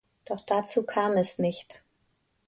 Doch dazu kam es nicht.